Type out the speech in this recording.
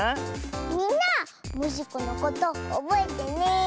みんなモジコのことおぼえてね！